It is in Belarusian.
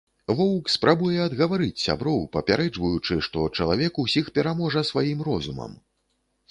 Воўк спрабуе адгаварыць сяброў, папярэджваючы, што чалавек усіх пераможа сваім розумам.